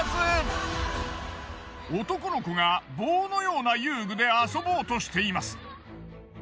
男の子が棒のような遊具で遊ぼうとしています。